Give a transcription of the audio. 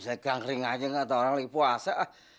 saya kankering aja gak tau orang lagi puasa